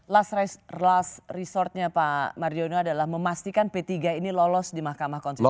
last resortnya pak mardiono adalah memastikan p tiga ini lolos di mahkamah konstitusi